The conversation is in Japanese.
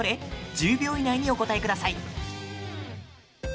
１０秒以内にお答えください。